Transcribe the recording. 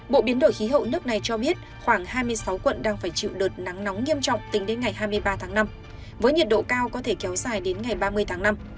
bộ biến đổi khí hậu nước này cho biết khoảng hai mươi sáu quận đang phải chịu đợt nắng nóng nghiêm trọng tính đến ngày hai mươi ba tháng năm với nhiệt độ cao có thể kéo dài đến ngày ba mươi tháng năm